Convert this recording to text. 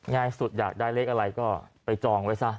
ง่ายสุดอยากได้เลขอะไรก็ไปจองไว้ซะ